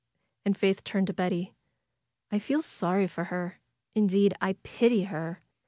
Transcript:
And Faith turned to Betty. "I feel sorry for her. Indeed, I pity her!